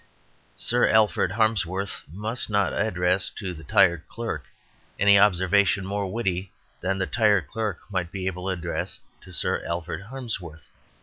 Sir Alfred Harmsworth must not address to the tired clerk any observation more witty than the tired clerk might be able to address to Sir Alfred Harmsworth.